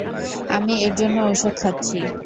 আমি এর জন্য ঔষধ খাচ্ছি।